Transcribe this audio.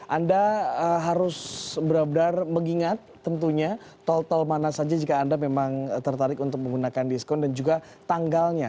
anda harus benar benar mengingat tentunya tol tol mana saja jika anda memang tertarik untuk menggunakan diskon dan juga tanggalnya